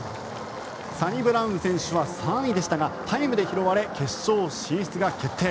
サニブラウン選手は３位でしたがタイムで拾われ決勝進出が決定。